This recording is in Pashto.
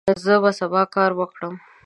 زه به سبا کار وکړم.